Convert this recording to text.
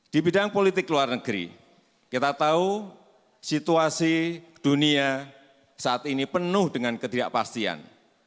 di bidang politik luar negeri kita tahu situasi dunia saat ini penuh dengan ketidakpastian